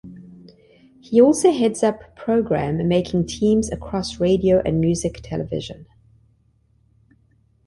He also heads up programme making teams across radio and music television.